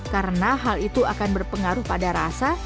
karena hal itu akan berpengaruh pada rasa